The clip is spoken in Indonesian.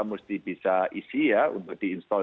mesti bisa isi ya untuk di install